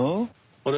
あれ？